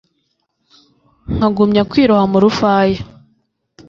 nkagumya kwiroha mu rufaya